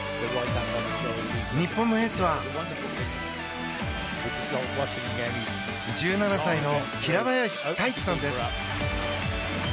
日本のエースは１７歳の平林太一さんです。